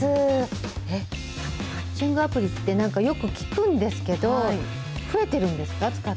えっ、マッチングアプリって、よく聞くんですけど、増えてるんですか？